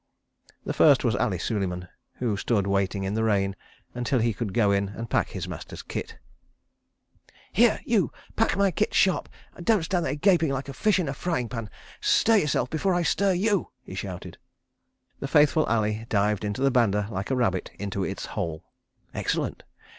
The first was Ali Suleiman, who stood waiting in the rain, until he could go in and pack his master's kit. "Here—you—pack my kit sharp, and don't stand there gaping like a fish in a frying pan. Stir yourself before I stir you," he shouted. The faithful Ali dived into the banda like a rabbit into its hole. Excellent!